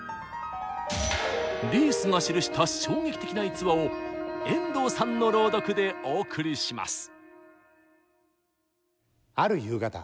リースが記した衝撃的な逸話を遠藤さんの朗読でお送りします！